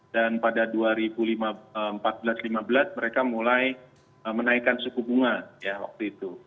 dan pada dua ribu empat belas lima belas mereka mulai menaikkan suku bunga ya waktu itu